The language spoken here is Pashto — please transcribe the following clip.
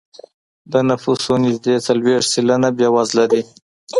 د نفوسو نږدې څلوېښت سلنه بېوزله دی.